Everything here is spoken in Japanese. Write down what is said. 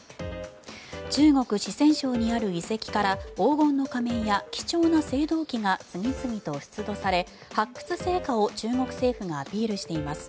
中国・四川省にある遺跡から黄金の仮面や貴重な青銅器が次々と出土され発掘成果を中国政府がアピールしています。